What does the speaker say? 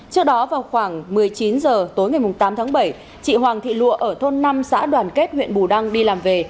trước đó vào khoảng một mươi chín h tối ngày tám tháng bảy chị hoàng thị lụa ở thôn năm xã đoàn kết huyện bù đăng đi làm về